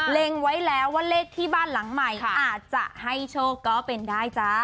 ไว้แล้วว่าเลขที่บ้านหลังใหม่อาจจะให้โชคก็เป็นได้จ้า